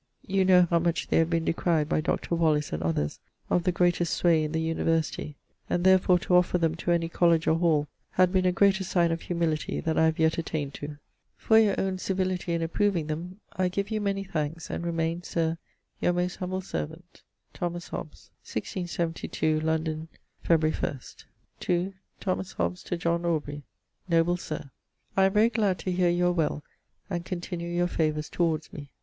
You know how much they have been decryed by Dr. Wallis and others of the greatest sway in the University, and therfore to offer them to any Colledge or Hall had been a greater signe of humility than I have yet attained to. For your owne civility in approving them, I give you many thanks; and remain Sir, Your most humble servant, THO. HOBBES. 1672, London, Febr. 1ˢᵗ. ii. Thomas Hobbes to John Aubrey. Noble Sir, I am very glad to hear you are well and continue your favours towards me.